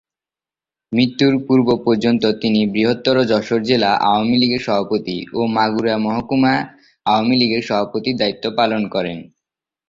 মৃত্যুর পূর্ব পর্যন্ত তিনি বৃহত্তর যশোর জেলা আওয়ামী লীগের সভাপতি ও মাগুরা মহকুমা আওয়ামী লীগের সভাপতির দায়িত্ব পালন করেন।